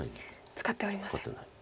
使っておりません。